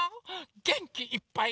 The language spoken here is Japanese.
げんきいっぱい。